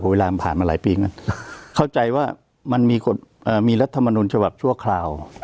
เวลามันผ่านมาหลายปีไงเข้าใจว่ามันมีรัฐมนุนฉบับชั่วคราว